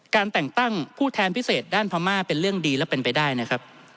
แต่งตั้งผู้แทนพิเศษด้านพม่าเป็นเรื่องดีและเป็นไปได้นะครับ